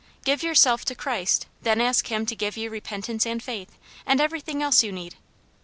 " Give yourself to Christ. Then ask Him to give you repentance and faith, and everything else you need."